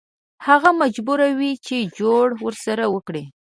هغه مجبور وي چې جوړه ورسره وکړي.